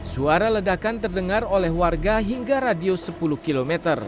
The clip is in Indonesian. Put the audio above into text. suara ledakan terdengar oleh warga hingga radius sepuluh km